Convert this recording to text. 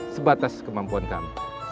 sebatas kemampuan kami